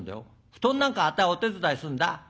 布団なんかあたいお手伝いするんだ」。